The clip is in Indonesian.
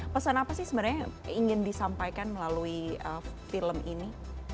pesan apa sih sebenarnya yang ingin disampaikan melalui film ini